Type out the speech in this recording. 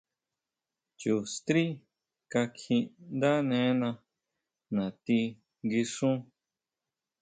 Chu strí kakjiʼndánena natí nguixún.